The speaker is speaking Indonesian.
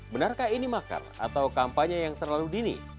benarkah ini makar atau kampanye yang terlalu dini